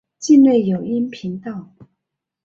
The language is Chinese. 境内有阴平道。